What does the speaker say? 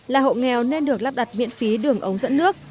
là hộ nghèo nên được lắp đặt miễn phí đường ống dẫn nước